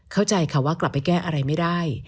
เข้าใจค่ะว่ากลับไปแก้อะไรไม่ได้